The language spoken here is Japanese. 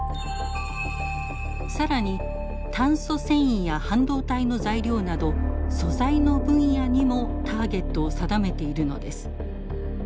更に炭素繊維や半導体の材料など素材の分野にもターゲットを定めているのです。